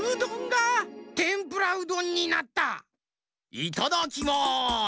いただきます！